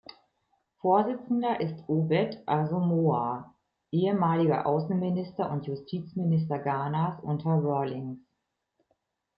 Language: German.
Vorsitzender ist Obed Asamoah, ehemaliger Außenminister und Justizminister Ghanas unter Rawlings.